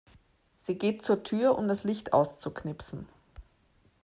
Sie geht zur Tür, um das Licht auszuknipsen.